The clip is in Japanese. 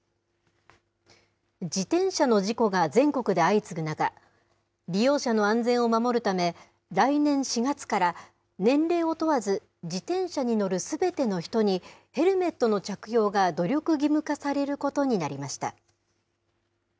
自転車の事故が全国で相次ぐ中、利用者の安全を守るため、来年４月から、年齢を問わず、自転車に乗るすべての人に、ヘルメットの着用が努力義務化されることになりました。